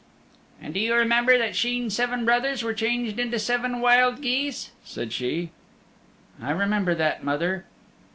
"And do you remember that Sheen's seven brothers were changed into seven wild geese?" said she. "I remember that, mother."